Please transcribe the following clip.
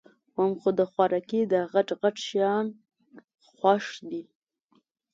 وام خو د خوارکي داغټ غټ شیان خوښ دي